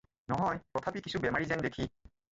নহয়, তথাপি কিছু বেমাৰী যেন দেখি।